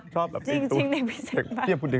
ชอบชอบหลับปิงตุก